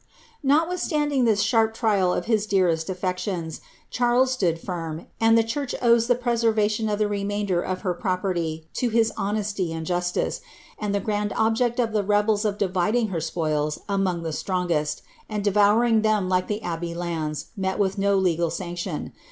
Notwithstanding this sharp trial of his dearest afiections, Charia stood (irm, and the church owes the presenTition of the remainder of hir property to his honesty and justice, and the grand object of the rebcii of dividing her spoils among the strongest, and devouring them like the abbey lands, met with no legal sanction.